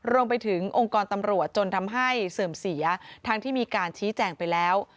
รวมไปถึงองค์กรตำรวจจนทำให้เสื่อมเสียทั้งที่มีการชี้แจงไปแล้ว